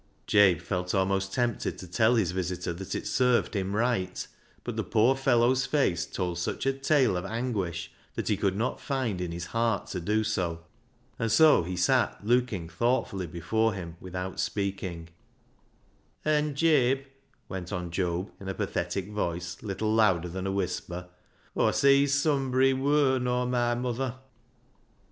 Jabe felt almost tempted to tell his visitor that it served him right, but the poor fellow's face told such a tale of anguish that he could not find in his heart to do so, and so he sat look ing thoughtfully before him without speaking, " An,' Jabe," went on Job, in a pathetic voice little louder than a whisper, " Aw sees sumbry wur nor my muther."